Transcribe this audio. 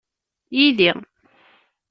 yid-i.